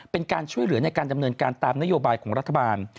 เป็นการช่วยเหลือในการดำเนินการตามนโยบายของรัฐบาล